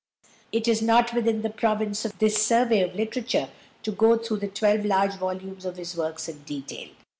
It is not within the province of this survey of literature to go through the twelve large volumes of his works in detail.